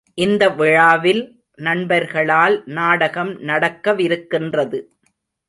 இந்த விழாவில் நண்பர்களால் நாடகம் நடக்க விருக்கின்றது.